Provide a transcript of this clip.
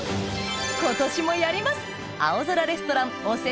今年もやります！